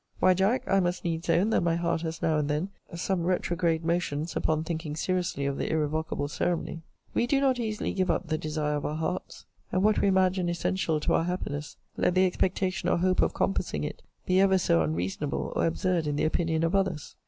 Why, Jack, I must needs own that my heart has now and then some retrograde motions upon thinking seriously of the irrevocable ceremony. We do not easily give up the desire of our hearts, and what we imagine essential to our happiness, let the expectation or hope of compassing it be ever so unreasonable or absurd in the opinion of others.